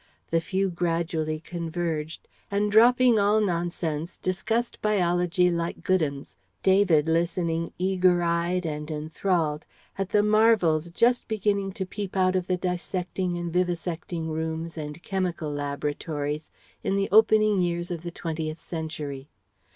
The few gradually converged, and dropping all nonsense discussed biology like good 'uns, David listening eager eyed and enthralled at the marvels just beginning to peep out of the dissecting and vivisecting rooms and chemical laboratories in the opening years of the Twentieth century.